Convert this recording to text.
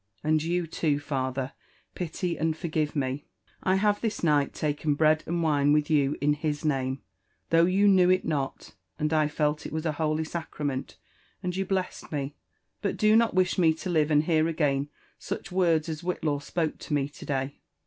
And you too, father, pity and forgive me. I have this night taken bread and wine with you in His name, through you knew it not ; and I felt it was a holy sacrament, and you blessed me. — But do not wish me to live and hear again such words as Whitlaw spoke to me to day.